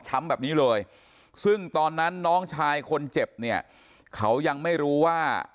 ช้ำแบบนี้เลยซึ่งตอนนั้นน้องชายคนเจ็บค่อยังไม่รู้ว่า